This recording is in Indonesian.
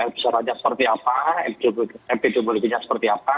besarannya seperti apa epidemiologinya seperti apa